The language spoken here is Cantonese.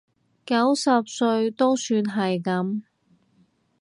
九十歲都算係噉